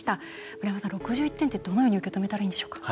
村山さん、６１点ってどのように受け止めたらいいんでしょうか。